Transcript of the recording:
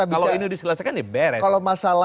kalau ini diselesaikan diberes